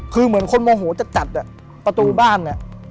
คือเหมือนคนโมโหจัดจัดประตูบ้านเนี่ย